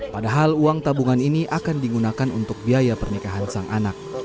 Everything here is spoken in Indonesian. padahal uang tabungan ini akan digunakan untuk biaya pernikahan sang anak